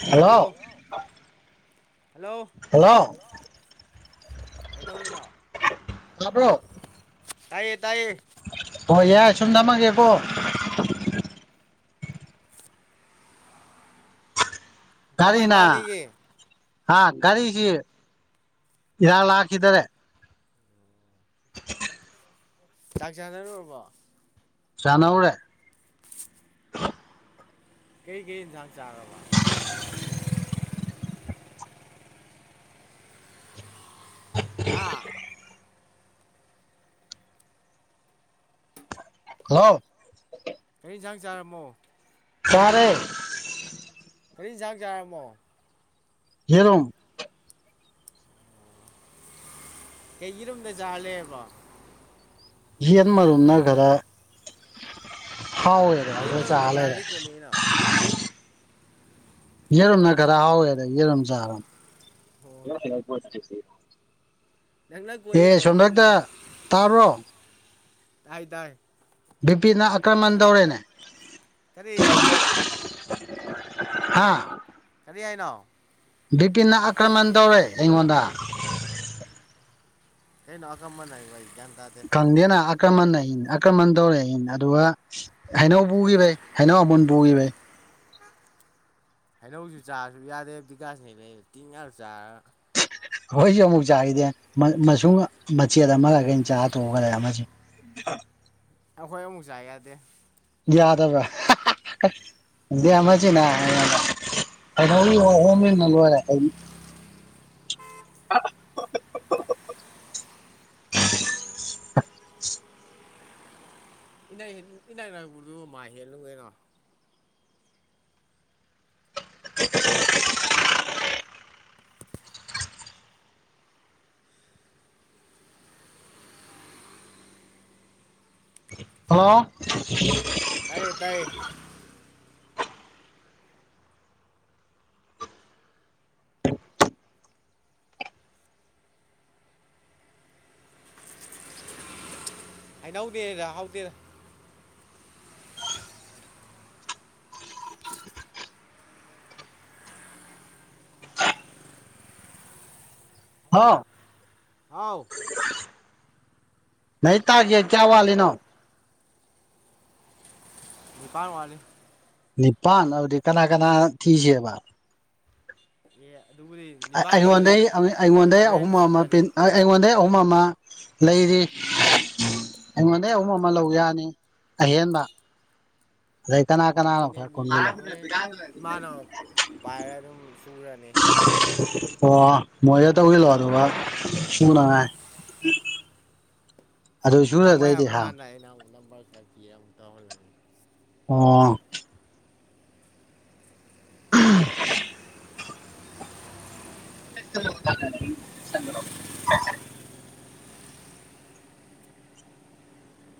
hello hello hello hello ꯀꯩꯗꯧꯔꯤꯅꯣ ꯇꯥꯕ꯭ꯔꯣ ꯇꯥꯏꯌꯦ ꯇꯥꯏꯌꯦ ꯍꯣꯏ ꯌꯥꯏ ꯁꯨꯝ ꯅꯝꯃꯒꯦꯀꯣ ꯀꯃꯥꯏꯅ ꯄꯥꯜꯂꯤꯒꯦ ꯍꯥꯥ ꯒꯥꯔꯤꯁꯤ ꯏꯔꯥꯛ ꯂꯥꯛꯈꯤꯗꯔꯦ ꯆꯥꯛ ꯆꯥꯅꯔꯨꯔꯕꯣ ꯆꯅꯧꯔꯦ ꯀꯩ ꯀꯩ ꯏꯟꯁꯥꯡ ꯆꯥꯔꯕ ꯍꯥꯥ ꯍꯜꯂꯣ ꯀꯔꯤ ꯌꯦꯟꯁꯥꯡ ꯆꯥꯔꯝꯃꯣ ꯇꯔꯦ ꯀꯔꯤ ꯌꯦꯟꯖꯥꯛ ꯆꯥꯔꯝꯃꯣ ꯌꯦꯔꯨꯝ ꯀꯩ ꯌꯦꯔꯨꯝꯗꯖꯥ ꯂꯩꯑꯕꯣ ꯌꯤꯑꯦꯟ ꯃꯔꯨꯝꯅ ꯈꯔ ꯍꯥꯎ ꯌꯥꯔꯦ ꯌꯦꯟ ꯑꯗꯨ ꯃꯔꯨꯝꯗꯣ ꯆꯂꯦꯔꯦ ꯀꯥꯏꯗꯩ ꯀꯣꯠꯂꯛꯏꯅꯣ ꯍꯦꯔꯝꯅ ꯈꯔꯥꯎ ꯌꯥꯔ ꯍꯦꯔꯣꯝ ꯆ ꯑꯔꯝ ꯑꯣ ꯍ ꯍ ꯅꯪꯅ [inaudible] ꯑꯦ ꯀꯣꯛꯏꯔꯣ ꯁꯟꯗꯛꯇ ꯌꯦꯟꯗꯨꯕꯣ ꯇꯥꯕ꯭ꯔꯣ ꯇꯥꯏ ꯇꯥꯏ ꯕꯤ ꯄꯤꯅ ꯑꯀ꯭ꯔꯃꯟ ꯇꯧꯔꯦꯅꯦ ꯀꯔꯤ ꯍꯥꯥ ꯀꯥꯏꯅ ꯕꯤꯄꯤꯤ ꯑꯀ꯭ꯔꯃꯟꯗꯔ ꯑꯩꯉꯣꯟꯗ ꯍꯩꯅ ꯀꯝꯃ ꯍꯥꯏ ꯀꯟꯦꯅ ꯑꯀ꯭ꯔꯃꯟ ꯑꯩꯅ ꯑꯀ꯭ꯔꯃꯟ ꯇꯧꯔꯦ ꯑꯩꯅ ꯑꯗꯨꯒ ꯍꯩꯅꯧ ꯄꯨꯈꯤꯕꯩ ꯍꯩꯅꯧ ꯑꯃꯟ ꯄꯨꯈꯤꯕꯩ ꯍꯩꯅꯧꯁꯨ ꯆꯥꯔꯁꯨ ꯌꯥꯗꯦꯕ ꯗꯤꯀꯥꯁꯅꯦꯅ ꯇꯤꯡꯉꯁꯨ ꯆꯥꯔ ꯑꯩꯈꯣꯏꯁꯨ ꯑꯃꯨꯛ ꯆꯥꯈꯤꯗꯦ ꯃꯨꯡ ꯃꯆꯦꯠ ꯑꯃꯈꯩꯅ ꯆꯥ ꯇꯣꯛꯑꯒ ꯂꯩꯃꯁꯤꯦ ꯑꯩꯈꯣꯏ ꯑꯃꯨꯛ ꯆꯥ ꯌꯥꯗꯦ ꯌꯥꯗꯕꯅꯍꯣꯡꯅ ꯂꯣꯏꯔꯦ [inaudible] ꯏꯗꯥꯏ ꯏꯗꯥꯏ ꯂꯅꯥꯛꯄꯗꯨ ꯃꯥ ꯍꯦꯜꯂꯨ ꯀꯩꯅꯣ [inaudible] ꯍ ꯇꯥꯏꯌꯦ ꯇꯥꯏꯌꯦ ꯑꯅꯧꯗꯦꯗ ꯍꯥꯎꯗꯦꯔ ꯍꯥ ꯑꯥꯎ ꯅ ꯇꯥꯒꯤ ꯀꯌꯥ ꯋꯥ ꯏꯅꯣ ꯅꯤꯄꯥꯟꯋꯥꯅꯤ ꯄ ꯍꯧꯗꯤ ꯀꯅꯥ ꯀꯅꯥ ꯊꯤꯁꯤꯦꯕ ꯑꯦ ꯑꯗꯨꯕꯨꯗꯤ ꯅꯤꯄꯥꯟꯗꯨꯕꯨꯗꯤ ꯑꯩꯉꯣꯟꯗꯩ ꯑꯩꯉꯣꯟꯗꯩ ꯑꯍꯨꯝ ꯍꯣꯔꯦꯟ ꯑꯃ ꯁꯨꯔꯅꯤ ꯄ ꯑꯩꯉꯣꯟꯗꯩ ꯑꯍꯨꯝ ꯑꯃ ꯂꯩꯔꯤ ꯑꯩꯉꯣꯟꯗꯩ ꯑꯍꯨꯝ ꯑꯃ ꯂꯧ ꯌꯥꯅꯤ ꯑꯍꯦꯟꯕ ꯔꯥꯏ ꯀꯅꯥ ꯀꯅꯥꯅꯣ ꯂꯩꯅꯦ ꯈꯔ ꯀ ꯃꯤꯅꯦ ꯍꯣꯔꯦꯟ ꯏꯃꯥꯅ ꯄꯥꯏꯔ ꯑꯗꯨꯝ ꯁꯨꯔꯅꯤ ꯑꯣ ꯃꯖꯥ ꯇ ꯑꯣꯏꯒ ꯂ ꯑꯗꯨꯕꯥ ꯁꯅ ꯇꯝꯃꯥꯏ ꯍꯥꯏꯕ ꯀꯥꯟꯗ ꯑꯩꯅ ꯅ ꯈꯄꯤ ꯑꯃꯨ ꯇꯍꯜꯂꯅꯤ ꯑꯣ ꯅ ꯁ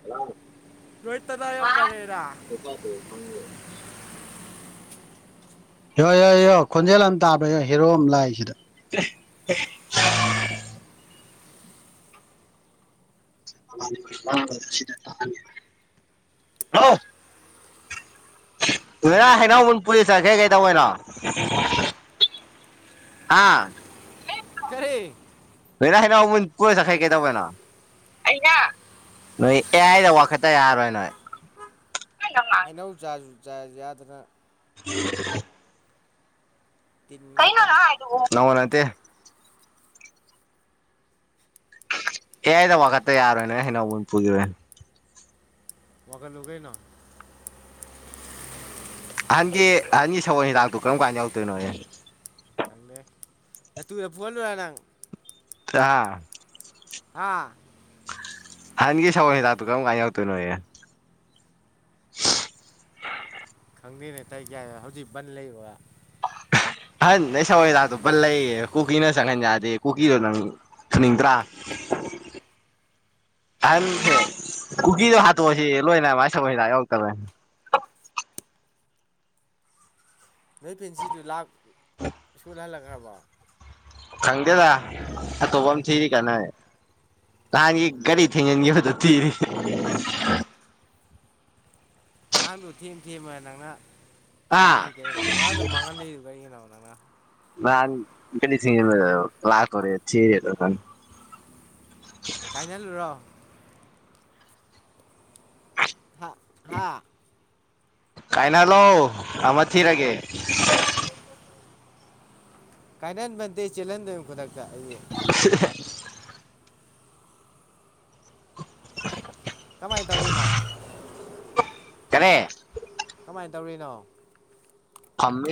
ꯍꯂ ꯣꯏꯍꯤꯠꯇꯗ ꯌ ꯀꯔꯦꯗ ꯏꯣ ꯏ ꯏꯣ ꯈꯣꯟꯖꯦꯜ ꯑꯃ ꯇꯥꯕ ꯏꯣ ꯍꯦꯔꯣ ꯑꯃ ꯂꯥꯛꯑꯁꯤꯗ [inaudible] ꯂꯣꯏꯔ ꯍꯩꯅꯧꯃꯟ ꯄꯨꯂꯤꯁ ꯆꯈꯩ ꯀꯩꯗꯧꯕꯅꯣ ꯑ ꯀꯔꯤ ꯂꯣꯏꯔ ꯍꯩꯅꯧꯃꯟ ꯄꯨꯂꯤꯁ ꯆꯈꯩ ꯀꯩꯗꯧꯕꯣꯏꯅꯣ ꯅꯣꯏ ꯑꯦꯌꯥꯥꯏꯗ ꯋꯥꯈꯠꯇ ꯌꯥꯔꯔꯣꯏ ꯅꯣꯏ ꯑꯩꯅꯧ ꯆꯥꯖ ꯆꯥ ꯌꯥꯗꯅ ꯎ ꯇꯤꯟ ꯀ ꯉꯥꯛꯇ ꯅꯅꯥꯏꯇꯦ ꯑꯦ ꯑꯩꯗ ꯋꯥꯈꯠꯇ ꯌꯥꯔꯣꯏꯅꯦ ꯍꯩꯅꯃ ꯄꯨꯈꯤꯕꯔ ꯋꯥꯒꯜ ꯂꯒꯦꯅ ꯑꯍꯟꯒꯤ ꯑꯍꯟꯒꯤ ꯁꯒꯣꯜ ꯍꯤꯗꯥꯛꯇꯣ ꯀꯔꯝ ꯀꯥꯟꯅ ꯌꯧꯗꯣꯏꯅꯣꯅꯦ ꯪꯦ ꯅ ꯇꯨꯗ ꯐꯂꯨꯨꯔ ꯅꯪ ꯑꯥ ꯍꯥ ꯍꯍꯟꯒꯤ ꯁꯒꯣꯜ ꯍꯤꯗꯥꯛꯇꯨ ꯀꯔꯝ ꯀꯥꯟ ꯌꯧꯗꯣꯏꯅꯣ ꯑꯦ ꯈꯪꯗꯦꯅꯦ ꯇꯥꯏ ꯀꯥꯏ ꯍꯧꯖꯤꯛ ꯕꯟ ꯂꯩꯕ ꯑꯍꯟ ꯅ ꯁꯒꯣꯏ ꯍꯤꯗꯥꯛꯇꯣ ꯄꯜ ꯂꯩꯌꯦ ꯀꯨꯀꯤꯅ ꯆꯪꯍꯟ ꯌꯥꯗꯦ ꯀꯨꯀꯤꯗꯣ ꯅꯪ ꯐꯨꯅꯤꯡꯗ꯭ꯔꯥ ꯑꯍꯟꯁꯦ ꯀꯨꯀꯤꯗꯣ ꯍꯥꯠꯇꯣꯛꯑꯁꯤ ꯂꯣꯏꯅ ꯃꯥꯥꯏ ꯁꯒꯣꯏ ꯍꯤꯗꯥꯛ ꯌꯧꯔꯛꯇꯕ ꯅꯣꯏ ꯄꯦꯟꯁꯤꯗꯨ ꯂꯥꯛ ꯁ꯭ꯀꯨꯜ ꯍꯜꯂꯛꯈ꯭ꯔꯕ ꯈꯪꯗꯦꯗ ꯑꯇꯣꯞꯄ ꯑꯃ ꯊꯤꯔꯤ ꯀꯅꯥ ꯅꯍꯥꯟꯒꯤ ꯒꯥꯔꯤ ꯊꯦꯡꯖꯤꯟꯈꯤꯕꯗ ꯊꯤꯔꯤ ꯑꯉꯥꯡꯗꯨꯣ ꯊꯦꯝ ꯊꯦꯝꯃꯦ ꯅꯪꯅ ꯑꯥ ꯈꯜꯂꯤꯁꯤ ꯀꯩꯅꯒꯤꯅꯣ ꯑꯉꯥꯡꯗꯣ ꯃꯥꯡꯍꯟꯜꯂꯤꯗꯨ ꯀꯔꯤꯒꯤꯅꯣꯣ ꯃꯉꯥ ꯂ ꯄꯦꯂꯤ ꯊ ꯂꯥꯛꯀꯔꯦ ꯊꯦ ꯀꯥꯏꯅꯦꯜꯨꯔꯣ ꯍꯥ ꯍꯥ ꯀꯥꯏꯅ ꯂꯣ ꯑꯃ ꯊꯤꯔꯒꯦ ꯀꯥꯏ ꯅ ꯃ ꯆꯦꯂꯟꯗ ꯈꯨꯗꯥ ꯀꯥꯛꯦ ꯀꯃꯥꯏꯅ ꯇꯧꯔꯤꯅꯣ ꯀꯅꯤ ꯀꯃꯥꯏꯅ ꯇꯧꯔꯤꯅꯣ ꯈꯝꯃ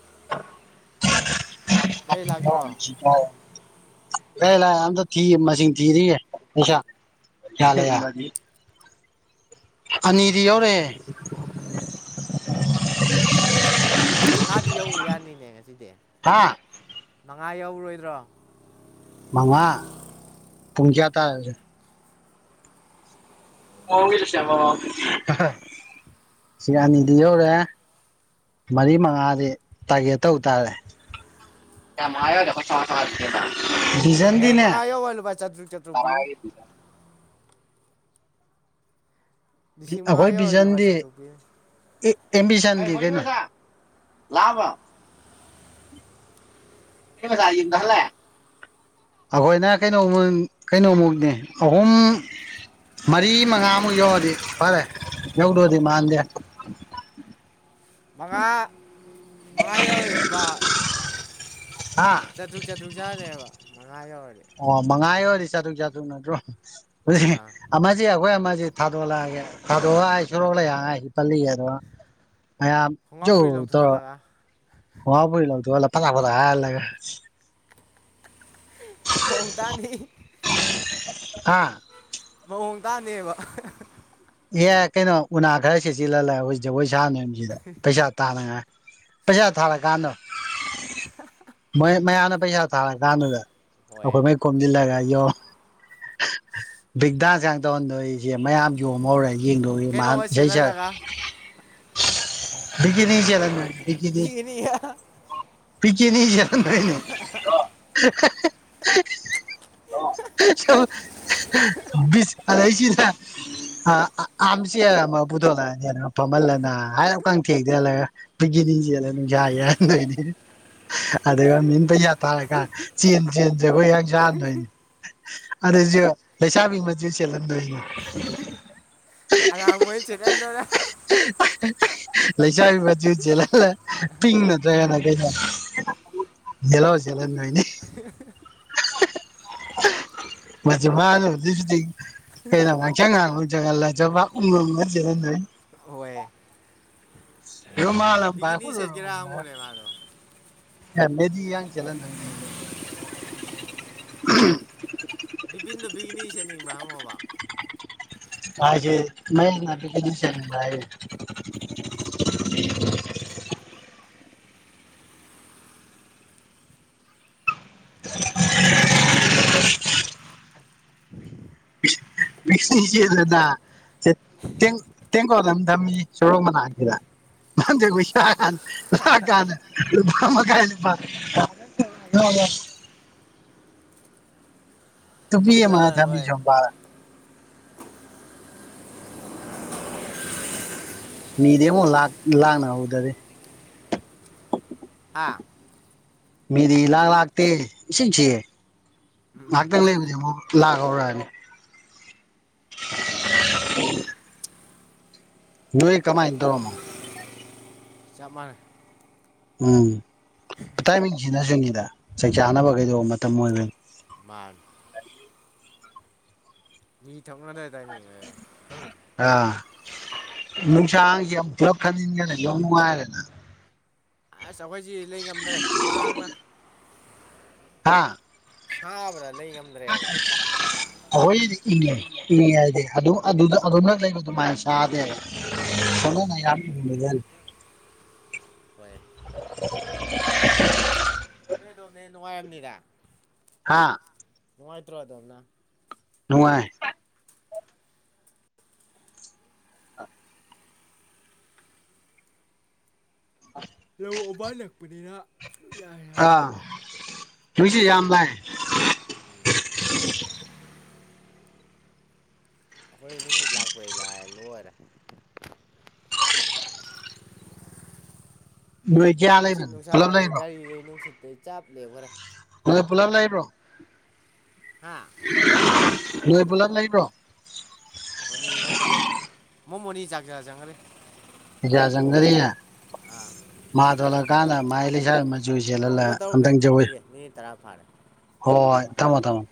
[unintelligible] ꯒꯥꯔꯤ ꯂꯥꯛꯇ꯭ꯔꯣ ꯀ ꯂꯩ ꯂꯥꯏ ꯌꯥꯝꯗ ꯊ ꯃ ꯊꯤꯔꯁꯥ ꯆ ꯑꯅꯤꯗꯤ ꯌꯥꯎꯔꯑꯦ ꯑꯣ ꯃꯉꯥꯗꯤ ꯌꯧ ꯌꯥꯅꯤꯅꯦ ꯉꯁꯤꯗꯤ ꯍꯥ ꯉꯥ ꯌꯧꯔꯔꯣꯏꯗ꯭ꯔꯣ ꯃꯃꯥ ꯄꯨꯨꯡ ꯀꯌꯥ ꯇꯦ ꯁꯤ ꯑꯅꯤꯗꯤ ꯌꯧꯔꯦ ꯃꯔꯤ ꯃꯉꯥꯗꯤ ꯇꯥꯔꯒꯦꯠ ꯇꯧ ꯇꯥꯔꯦ ꯍꯦ ꯚꯤꯖꯟꯗꯤꯅꯦ ꯃꯉ ꯌꯣ ꯋꯥꯂ ꯄꯥꯏ ꯆꯇ꯭ꯔꯨꯛ ꯆꯇ꯭ꯔꯨꯛꯄꯤꯅꯤ ꯁꯤꯃ ꯑꯩꯈꯣꯏ ꯑꯣꯏꯔꯕꯆ ꯇꯨꯄꯤ ꯑꯦꯦꯝꯃꯤꯁꯟ ꯂꯦꯅꯦ ꯂ ꯂ ꯌꯦꯡ ꯍꯜꯂꯛꯑꯦ ꯑꯩꯈꯣꯏꯅ ꯀꯩꯅꯣ ꯀꯩꯅꯣꯃꯨꯛꯅꯦ ꯑꯍꯨꯝ ꯃꯔꯤ ꯃꯉꯥꯃꯨꯛ ꯌꯧꯔꯗꯤ ꯐꯔꯦ ꯌꯧꯗꯑꯗꯤ ꯃꯥꯟꯗꯦ ꯃꯉꯥ ꯃꯉꯥ ꯌꯧꯔꯛ ꯂꯨꯄꯥ ꯍꯥ ꯆꯥꯇ꯭ꯔꯨꯛ ꯆꯥꯠꯇ꯭ꯔꯨꯛ ꯆꯥꯂꯦꯕ ꯑꯣ ꯃꯉꯥꯏꯣ ꯆꯥ ꯑꯗꯨ ꯆꯥꯗ ꯅꯠꯇ꯭ꯔꯣ ꯑꯥ ꯑꯖꯤ ꯌꯥꯈꯣꯏ ꯑ ꯊꯥꯗꯣ ꯂꯑꯒꯦ ꯊꯥꯗꯣ ꯍꯥꯏꯁꯂꯣ ꯂꯩꯉꯥꯏ ꯄꯜꯂꯤ ꯑꯗꯣ ꯃꯌꯥꯝ ꯈꯣꯡꯒ꯭ꯔꯥꯎ ꯆꯧ ꯐꯨꯔꯤꯠ ꯇꯧꯔꯣ ꯂꯧꯊꯣꯛꯍꯜꯂꯒ ꯍꯋꯥꯕꯨꯔꯤ ꯂꯧꯗꯣꯛꯂ ꯂꯜꯂꯒ ꯍꯣꯡꯗꯥꯅꯤ ꯑꯥ ꯇꯅꯦꯕ ꯑꯦ ꯀꯩꯅꯣ ꯎꯅ ꯑꯘ꯭ꯔꯁꯤꯦꯁꯤꯂꯂ ꯩꯁꯥꯅꯦꯁꯤꯗ ꯄꯩꯁꯥ ꯇꯥꯅꯉꯥꯏ ꯄꯖꯥ ꯊꯥꯂ ꯀꯥꯟꯅꯣ ꯃꯣꯏ ꯃꯅ ꯄꯩꯁꯥ ꯊꯥ ꯀꯥꯟꯗ ꯍꯣꯏ ꯑꯩꯈꯣꯏ ꯃ ꯀꯃꯗ ꯂꯒꯦꯣ ꯕꯤꯒꯗꯥ ꯀ ꯇꯗꯁꯤ ꯃꯌꯥꯝ ꯃꯧꯔꯥꯏ ꯌꯦꯡꯗꯧꯏ ꯃꯥ ꯀꯩꯅꯣꯒ ꯏꯁꯩ ꯁꯛ ꯁꯦꯠꯍꯜꯂꯒ ꯕꯤꯒꯅꯤ ꯆꯂ ꯅ ꯄꯤꯛꯅꯤ ꯅꯦ ꯕꯤꯁ ꯈꯁꯤꯅ ꯑ ꯑꯝꯁꯤ ꯄꯨꯕꯨꯊꯂ ꯐꯃꯜꯂꯅꯥ ꯍꯥꯏ ꯀꯥꯡ ꯊꯦꯛꯊꯍꯦꯜꯂꯒ ꯕꯤꯒꯤꯅꯤ ꯆꯦꯜꯂ ꯅꯨꯡꯁꯥ ꯌꯥꯍꯟꯗꯣꯏꯅꯤ ꯑꯗꯨꯒ ꯃꯤꯟ ꯄꯩꯁꯥ ꯊꯥꯔꯀꯥꯟ ꯆꯦꯟ ꯆꯦꯟꯁꯦ ꯑꯩꯈꯣꯏ ꯍꯡꯁꯥꯍꯟꯗꯣꯏꯅꯤ ꯑꯗꯨꯁꯨ ꯂꯩꯁꯥꯕꯤ ꯃꯆꯨ ꯆꯦꯜꯍꯟꯗꯣꯏꯅꯤ ꯑ ꯆꯦꯂꯦꯣꯅ ꯂꯩꯁꯥꯕꯤ ꯖꯨꯖꯦꯂ ꯍ ꯄꯤꯤꯡꯅ ꯖꯒ ꯂ ꯖꯂ ꯅꯣꯏꯅꯦ ꯃ ꯃꯥꯅ ꯑꯗꯨ ꯀ ꯀꯉ ꯆꯒꯂ ꯎ ꯃ ꯍꯣꯏ ꯍ ꯃꯥꯂꯝ ꯒꯤꯅꯤ ꯁꯦꯠꯀꯔꯒꯣꯅꯦ ꯃꯥꯗꯣ ꯃꯦꯗꯤ ꯌꯥ ꯆꯂꯦꯟ ꯍꯧꯖꯤ ꯕꯤꯚꯤꯟꯅ ꯕꯤꯒꯅꯤꯁꯦꯅꯤꯡꯕ꯭ꯔꯥ ꯍꯪꯉꯣꯕ ꯍꯥꯏꯁꯦ ꯃ ꯆꯔ [inaudible] ꯃꯤ ꯇꯦꯡꯒꯣꯜ ꯑꯗꯨꯝ ꯊꯝ ꯁꯣꯣꯔꯣ ꯃꯅꯥꯆꯗꯖ ꯄꯣꯏꯁꯥ ꯂꯥꯛꯀꯥꯟ ꯑꯃꯥꯏ ꯇꯨꯄꯤ ꯃꯥ ꯊꯃꯤ ꯆꯣꯟꯝꯕ ꯃꯤꯗꯦꯃꯣꯟ ꯂꯥꯛ ꯂꯥꯒꯅ ꯍꯗꯗꯤꯦ ꯑꯥ ꯃꯤꯗꯤ ꯂꯥꯛ ꯂꯥꯛꯇꯦ ꯏꯁꯤꯡꯁꯤ ꯉꯥꯏꯍꯥꯛꯇꯪ ꯂꯩꯕꯗꯤ ꯑꯃꯨꯛ ꯂꯥꯛ ꯍꯧꯧꯔꯛꯅꯤ ꯅꯣꯏ ꯀꯃꯥꯏꯟꯗꯧꯔꯅ ꯆꯞ ꯃꯥꯟꯅ ꯎꯝ ꯇꯥꯏꯃꯤꯡꯁꯤꯅ ꯁꯅꯤꯗ ꯆꯩ ꯆꯥꯅꯕ ꯀꯩꯗꯧꯕ ꯃꯇꯝ ꯑꯣꯏꯕꯅꯤ ꯃꯥꯥꯡ [inaudible] ꯃꯤ ꯊꯛꯅꯗ ꯇꯥꯏꯃꯤꯡ ꯑꯥ ꯅꯨꯡꯁꯥꯡꯁ ꯌꯥꯝ ꯄꯨꯂꯞ ꯈꯟꯅꯤꯡꯟꯈꯅ ꯌꯥꯝ ꯅꯨꯡꯉꯥꯏꯔꯦꯅ ꯑꯁ ꯑꯩꯈꯣꯏꯁꯤ ꯂꯩ ꯉꯝꯗ꯭ꯔꯦ ꯍꯨꯃꯥꯡꯅ ꯍꯥꯥ ꯁꯕ꯭ꯔ ꯂꯩ ꯉꯝꯗ꯭ꯔꯦꯕ ꯍꯣꯏ ꯎ ꯌꯥꯗꯦ ꯑꯗꯨ ꯑꯗꯨꯗ ꯑꯗꯨꯝꯅ ꯂꯩꯕ ꯑꯗꯨꯃꯥꯏꯅ ꯆꯥꯗꯦꯕ ꯁꯣꯗꯅ ꯌꯥꯝ [inaudible] ꯑ ꯅꯨꯡꯉꯥꯏ ꯌꯥꯝꯃꯤꯗꯥꯥ ꯍꯥꯥ ꯍꯥꯏꯇ꯭ꯔꯣꯗ ꯑꯅ ꯅꯨꯡꯉꯥꯏ ꯂꯧ ꯎꯕꯥꯜ ꯅꯛꯄꯅꯤꯅ ꯌꯥꯔꯦ ꯌꯥꯔꯝꯃꯣꯏꯗ ꯁ ꯌꯥꯝ ꯚꯥꯏ [inaudible] ꯑꯩꯈꯣꯏ ꯑꯗꯨꯝ ꯁꯤꯠ ꯂꯥꯛꯄ ꯂꯥꯛꯑ ꯔ ꯅꯣꯏꯗꯤꯦꯌꯥ ꯂꯩꯟ ꯐꯂꯝ ꯂꯩꯅꯣ ꯑꯇꯩ ꯆꯥꯞꯂꯦ ꯍꯔꯦ ꯍ ꯄꯨꯂꯜ ꯂ ꯂꯩꯕ꯭ꯔꯣ ꯍꯥꯥ ꯂꯣꯏ ꯄꯨꯂꯞ ꯂꯩꯕ꯭ꯔꯣ ꯑꯣꯅꯤ ꯈ ꯇ ꯂꯩꯦ ꯃꯣꯏ ꯃꯅꯤ ꯆꯥꯛ ꯆꯥ ꯆꯪꯈꯔꯦ ꯌꯥ ꯆꯪꯒ ꯌꯥ ꯃꯥꯗꯂꯒ ꯀꯥꯟꯅ ꯃꯥꯥꯏꯂꯤꯁ ꯣꯏꯁꯦꯂꯂ ꯑꯗꯪꯖ ꯐꯔꯦ ꯍꯣꯏ ꯍ ꯊꯝꯃꯣ ꯊꯝꯃꯣ